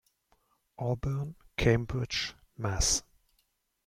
Auburn, Cambridge, Mass.